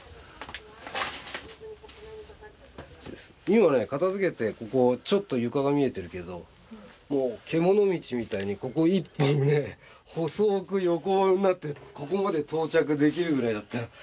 今ね片づけてここちょっと床が見えてるけどもう獣道みたいにここ一本ね細く横になってここまで到着できるぐらいだった。